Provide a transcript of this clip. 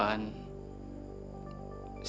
saya akan mencari kontrakan